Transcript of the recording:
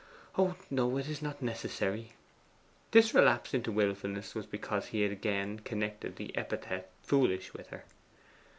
'Oh no, it is not necessary.' This relapse into wilfulness was because he had again connected the epithet foolish with her.